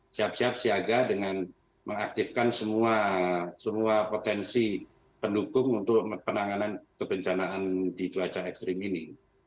siap siap siaga dengan mengaktifkan semua potensi pendukung untuk penanganan kebencanaan di cuaca ekstrim ini